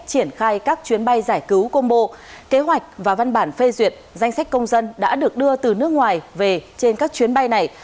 triển khai các chuyến bay giải cứu combo kế hoạch và văn bản phê duyệt danh sách công dân đã được đưa từ nước ngoài về trên các chuyến bay này